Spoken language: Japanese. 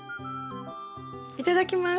いただきます。